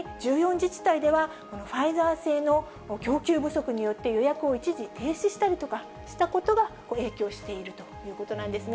自治体では、このファイザー製の供給不足によって、予約を一時、停止したりとかしたことが影響しているということなんですね。